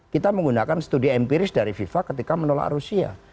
kita menggunakan studi empiris dari fifa ketika menolak rusia